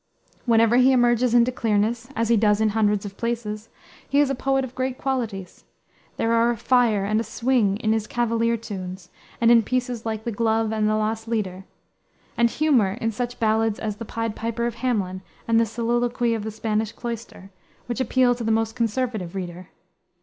Whenever he emerges into clearness, as he does in hundreds of places, he is a poet of great qualities. There are a fire and a swing in his Cavalier Tunes, and in pieces like the Glove and the Lost Leader; and humor in such ballads as the Pied Piper of Hamelin and the Soliloquy of the Spanish Cloister, which appeal to the most conservative reader.